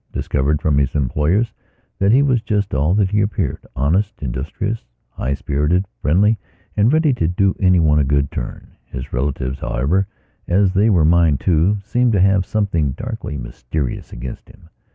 I discovered from his employers that he was just all that he appeared, honest, industrious, high spirited, friendly and ready to do anyone a good turn. His relatives, however, as they were mine, tooseemed to have something darkly mysterious against him.